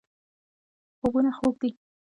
خوبونه خوږ دي.